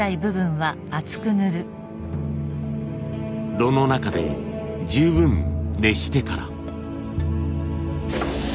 炉の中で十分熱してから。